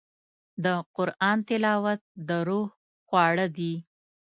د قرآن تلاوت د روح خواړه دي.